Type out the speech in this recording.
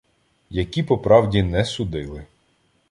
Які по правді не судили